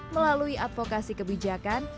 melalui advokasi kebijakan